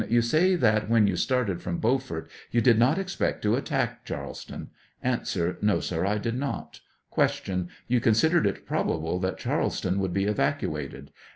You say, that when you Started from Beaufort you did not expect to attack Charleston ? A. No, sir; I did not. Q. You considered it probable that Charleston would be evacuated?